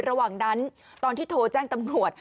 ระหว่างนั้นตอนที่โทรแจ้งตำรวจ